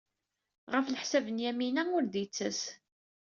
Ɣef leḥsab n Yamina, ur d-yettas.